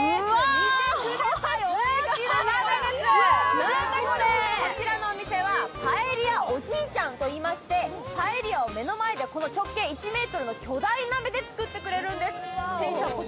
見てください、こちらのお店はパエリアおじいちゃんといいましてパエリアを目の前で直径１ｍの巨大鍋で作ってくれるんです。